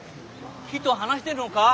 木と話してるのか？